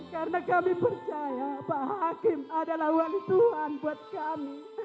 karena kami percaya pak hakim adalah wali tuhan buat kami